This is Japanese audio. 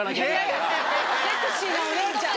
セクシーなお姉ちゃん。